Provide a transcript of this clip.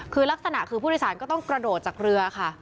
คือลักษณะคือผู้โดยสารก็ต้องกระโดดจากเรือค่ะ